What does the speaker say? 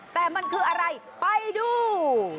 แต่มันคืออะไรไปดู